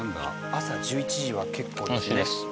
朝１１時は結構ですね。